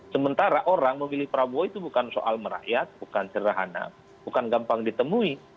sementara orang memilih prabowo itu bukan soal merakyat bukan sederhana bukan gampang ditemui